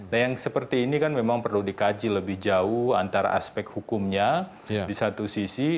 nah yang seperti ini kan memang perlu dikaji lebih jauh antara aspek hukumnya di satu sisi